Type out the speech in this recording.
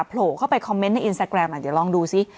โผล่เข้าไปคอมเมนต์ในอินสตาแกรมเดี๋ยวลองดูซิ